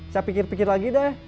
saya pikir pikir lagi dah